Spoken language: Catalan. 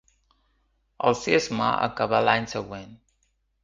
El cisma acabà l'any següent.